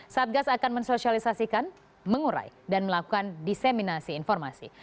satgas akan mensosialisasikan mengurai dan melakukan diseminasi informasi